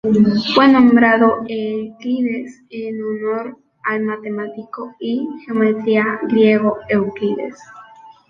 Fue nombrado Euclides en honor al matemático y geómetra griego Euclides.